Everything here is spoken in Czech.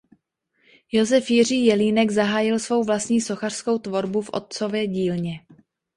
Josef Jiří Jelínek zahájil svou vlastní sochařskou tvorbu v otcově dílně.